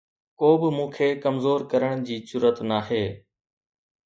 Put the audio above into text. ڪو به مون کي ڪمزور ڪرڻ جي جرئت ناهي